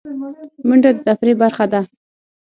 منډه د تفریح برخه ده